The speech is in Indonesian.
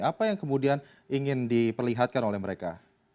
apa yang kemudian ingin diperlihatkan oleh mereka